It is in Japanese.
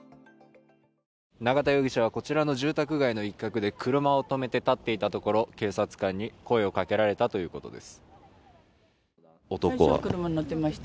永田容疑者はこちらの住宅街の一角で車を止めて立っていたところ警察官に声をかけられたということです。